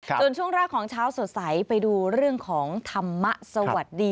ส่วนช่วงแรกของเช้าสดใสไปดูเรื่องของธรรมะสวัสดี